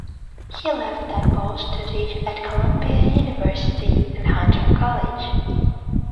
He left that post to teach at Columbia University and Hunter College.